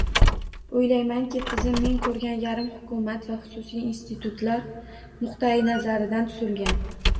Oʻylaymanki, tizim men koʻrgan, yarim hukumat va xususiy institutlar nuqtayi nazaridan tuzilgan.